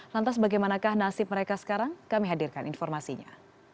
lantas bagaimanakah nasib mereka sekarang kami hadirkan informasinya